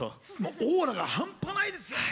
オーラが半端ないですよね！